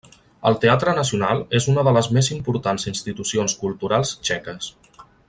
El Teatre Nacional és una de les més importants institucions culturals txeques.